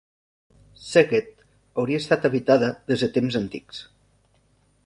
Szeged hauria estat habitada des de temps antics.